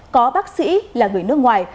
có bác sĩ là người nước ngoài